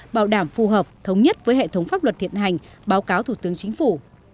bảo đảm phù hợp thống nhất với hệ thống pháp luật hiện hành báo cáo thủ tướng chính phủ